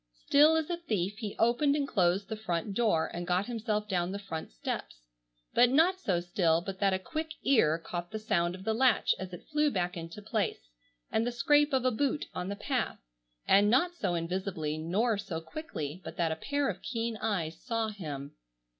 Still as a thief he opened and closed the front door and got himself down the front steps, but not so still but that a quick ear caught the sound of the latch as it flew back into place, and the scrape of a boot on the path; and not so invisibly nor so quickly but that a pair of keen eyes saw him.